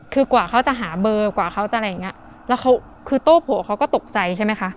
คือกว่าเขาจะหาเบอร์กว่าเขาจะอะไรอย่างเงี้ยแล้วเขาคือโต้โผล่เขาก็ตกใจใช่ไหมคะ